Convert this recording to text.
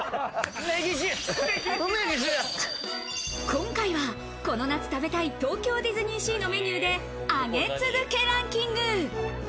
今回はこの夏食べたい東京ディズニーシーのメニューで上げ続けランキング。